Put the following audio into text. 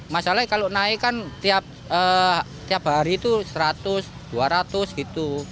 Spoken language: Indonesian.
masalahnya kalau naik kan tiap hari itu seratus dua ratus gitu